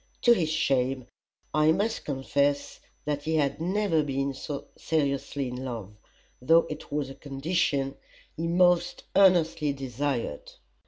To his shame I must confess that he had never been seriously in love, though it was a condition he most earnestly desired.